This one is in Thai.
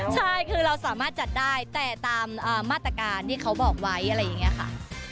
ใช่คือเราสามารถจัดได้แต่ตามมาตรการที่เขาบอกไว้อะไรอย่างนี้ค่ะ